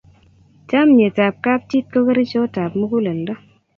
chamiyet ab kap chi ko kerichot ab muguleldo